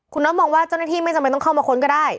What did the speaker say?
คุณน็อตมองว่าเจ้าหน้าที่ไม่จำเป็นต้องเข้ามาค้นก็ได้